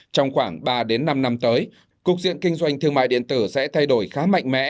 trong khoảng ba năm năm tới cục diện kinh doanh thương mại điện tử sẽ thay đổi khá mạnh mẽ